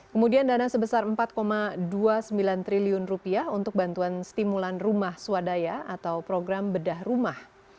kemudian dana sebesar rp empat dua puluh sembilan triliun untuk bantuan stimulan rumah swadaya atau program bedah rumah